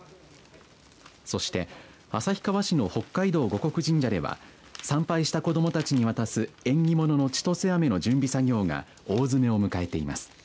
そして、旭川市の北海道護国神社では参拝した子どもたちに渡す縁起物のちとせあめの準備作業が大詰めを迎えています。